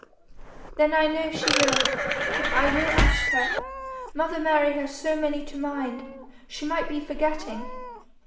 'Then I know she will. But I will ask her. Mother Mary has so many to mind, she might be forgetting.'